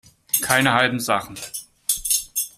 Keine halben Sachen.